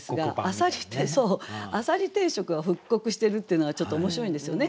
浅蜊定食を覆刻してるっていうのがちょっと面白いんですよね。